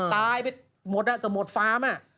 ตายไปหมดอะแต่หมดฟาร์มอะ